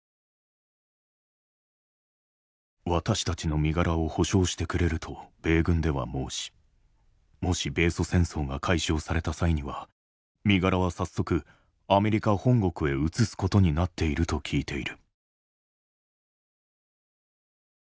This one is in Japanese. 「私たちの身柄を保障してくれると米軍では申しもし米ソ戦争が開始をされた際には身柄は早速アメリカ本国へ移すことになっていると聴いている」。